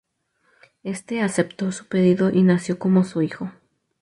Este aceptó su pedido y nació como su hijo.